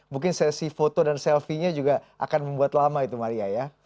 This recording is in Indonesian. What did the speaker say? mungkin sesi foto dan selfie nya juga akan membuat lama itu maria ya